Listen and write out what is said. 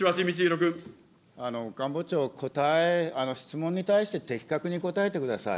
官房長、答え、質問に対して的確に答えてください。